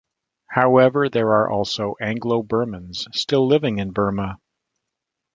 However, there are also Anglo-Burmans still living in Burma.